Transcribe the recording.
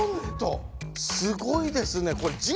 すごいですねこれ。